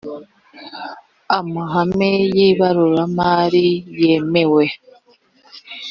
amahame y ibaruramari yemewe